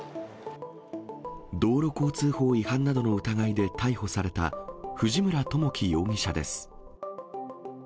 道路交通法違反などの疑いで逮捕された、藤村知樹容疑者です。